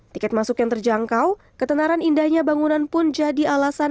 tiket masuk yang terjangkau ketenaran indahnya bangunan pun jadi alasan